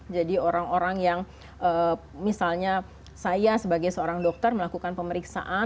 jadi orang orang yang misalnya saya sebagai seorang dokter melakukan pemeriksaan